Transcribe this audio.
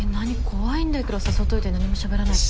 怖いんだけど誘っといて何もしゃべらない。